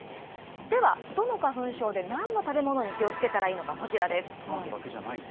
では、どの花粉症でなんの食べ物に気をつけたらいいのか、こちらトマトだけじゃないんだ。